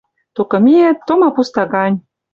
Токы миэт — тома пуста гань.